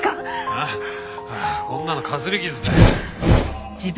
ああこんなのかすり傷だよ。